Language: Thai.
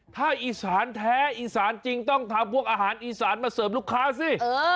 ถ้าอีสานแท้อีสานจริงต้องทำพวกอาหารอีสานมาเสิร์ฟลูกค้าสิ